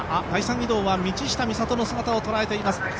第３移動は道下美里の姿を捉えています。